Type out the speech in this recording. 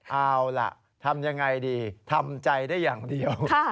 เอาล่ะทำยังไงดีทำใจได้อย่างเดียว